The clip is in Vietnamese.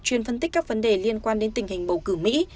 chuyên phân tích các vấn đề liên quan đến tình hình bầu cử mỹ